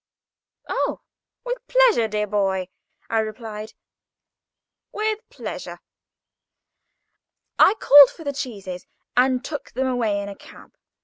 "Oh, with pleasure, dear boy," I replied, "with pleasure." I called for the cheeses, and took them away in a cab.